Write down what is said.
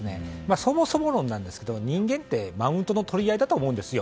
そもそも論ですが人間ってマウントの取り合いだと思うんですよ。